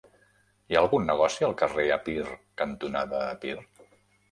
Hi ha algun negoci al carrer Epir cantonada Epir?